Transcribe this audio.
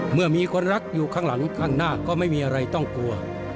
เมื่อมีคนรักอยู่ข้างหลังข้างหน้าก็ไม่มีอะไรต้องกลัว